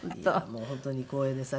もう本当に光栄です。